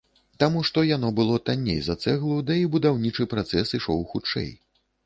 Таму, што яно было танней за цэглу, да і будаўнічы працэс ішоў хутчэй.